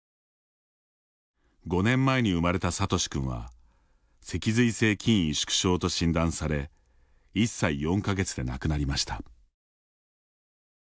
５年前に生まれたサトシ君は脊髄性筋萎縮症と診断され１歳４か月で亡くなりました。